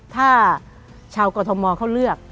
ถ้าชาวกรทมเขาเลือก